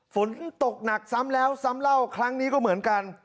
ฝนตกหนักซ้ำแล้วซ้ำเล่าครั้งนี้ก็เหมือนกัน